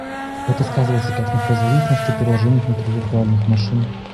Это сказывается как на производительности приложений внутри виртуальных машин